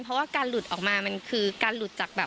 เพราะว่าการหลุดออกมามันคือการหลุดจากแบบ